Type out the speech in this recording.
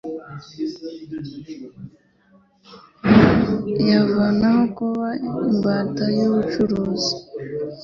yavanaho kuba imbata y'ubucuruzi